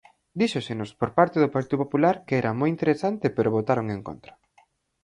Díxosenos por parte do Partido Popular que era moi interesante pero votaron en contra.